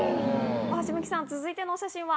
橋向さん続いてのお写真は？